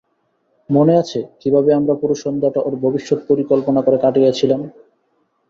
মনে আছে কিভাবে আমরা পুরো সন্ধ্যাটা ওর ভবিষ্যৎ পরিকল্পনা করে কাটিয়েছিলাম?